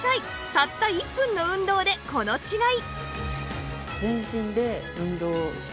たった１分の運動でこの違い